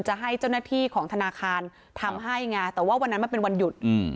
จะให้เจ้าหน้าที่ของธนาคารทำให้ไงแต่ว่าวันนั้นมันเป็นวันหยุดอืม